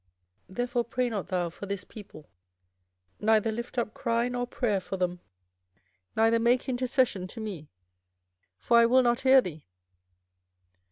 24:007:016 Therefore pray not thou for this people, neither lift up cry nor prayer for them, neither make intercession to me: for I will not hear thee.